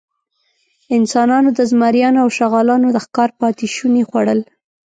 انسانانو د زمریانو او شغالانو د ښکار پاتېشوني خوړل.